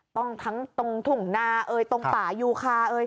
ต้องทั้งตรงถุงหน้าตรงต่ายูคา